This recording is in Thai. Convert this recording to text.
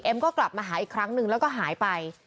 ก็กลับมาหาอีกครั้งหนึ่งแล้วก็หายไป